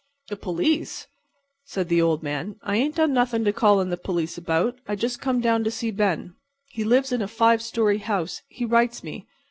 "The police!" said the old man. "I ain't done nothin' to call in the police about. I just come down to see Ben. He lives in a five story house, he writes me.